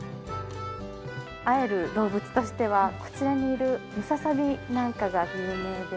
会える動物としてはこちらにいるムササビなんかが有名ですね。